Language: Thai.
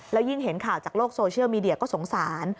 แล้วยิ่งเห็นข่าวจากโลกโซเชียลมีเดียก็สงสาร